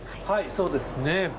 はいそうです。ねぇ？